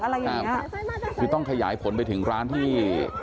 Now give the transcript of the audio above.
อะไรอย่างเงี้ยคือต้องขยายผลไปถึงร้านที่